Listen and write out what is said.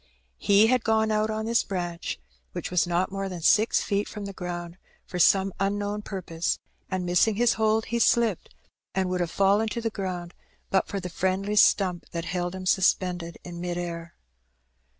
He had gone out on this branch, which was not more than six feet from the ground, for some unknown purpose, and, missing his hold, he slipped, and would have fallen to the ground but for the friendly stump that held him sus pended in mid air.